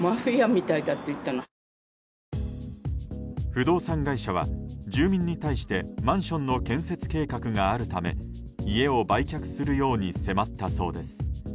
不動産会社は住民に対してマンションの建設計画があるため家を売却するように迫ったそうです。